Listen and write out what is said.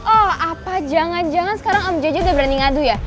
oh apa jangan jangan sekarang om jj udah berani ngadu ya